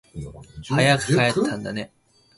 ミニオンが見たくて家に帰った